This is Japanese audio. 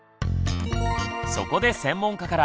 そこで専門家から